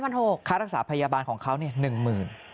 ๕๖๐๐บาทค่ารักษาพยาบาลของเขา๑หมื่น